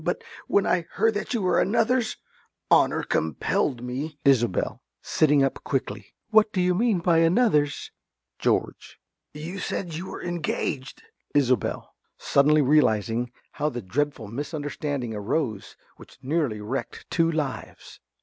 But when I heard that you were another's, honour compelled me ~Isobel~ (sitting up quickly). What do you mean by another's? ~George.~ You said you were engaged! ~Isobel~ (suddenly realising how the dreadful misunderstanding arose which nearly wrecked two lives).